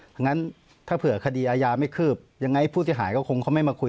อย่างนั้นถ้าเผื่อคดีอาญาไม่คืบยังไงผู้เสียหายก็คงเขาไม่มาคุย